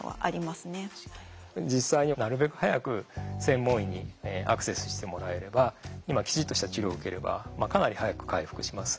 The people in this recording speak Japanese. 実際になるべく早く専門医にアクセスしてもらえれば今きちっとした治療を受ければかなり早く回復します。